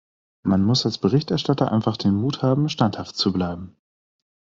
Man muss als Berichterstatter einfach den Mut haben, standhaft zu bleiben.